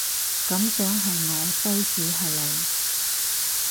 感想係我西史係零